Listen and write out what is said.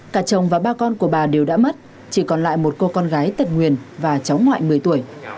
cả chồng và ba con của bà đều đã mất chỉ còn lại một cô con gái tật nguyền và cháu ngoại một mươi tuổi